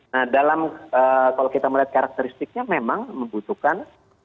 nah dalam kalau kita melihat karakteristiknya memang membutuhkan